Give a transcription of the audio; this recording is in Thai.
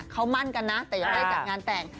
เค้ามั่นกันนะแต่ยอดได้จากงานแต่ง